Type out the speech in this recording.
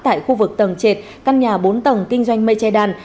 tại khu vực tầng trệt căn nhà bốn tầng kinh doanh mây tre đan